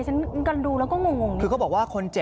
อารมณ์ไม่ดีเพราะว่าอะไรฮะ